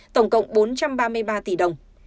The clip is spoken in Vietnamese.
tổng cộng bốn trăm ba mươi ba tỷ đồng